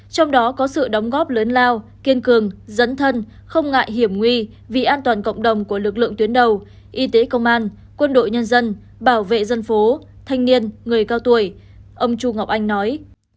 trong đó có sự đóng góp lớn lao kiên cường dẫn thân không ngại hiểm nguy vì an toàn cộng đồng của lực lượng tuyến đầu y tế công an quân đội nhân dân bảo vệ dân phố thanh niên người cao tuổi ông chu ngọc anh nói